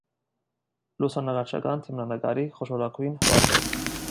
Լուսանկարչական դիմանկարի խոշորագույն վարպետ։